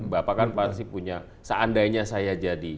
bapak kan pasti punya seandainya saya jadi